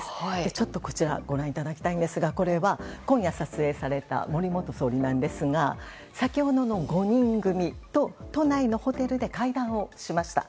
ちょっとこちらご覧いただきたいんですがこれは今夜撮影された森元総理なんですが先ほどの５人組と都内のホテルで会談しました。